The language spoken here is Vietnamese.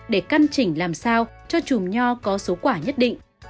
để căn chỉnh làm sao cho chùm nho có số quả nhất định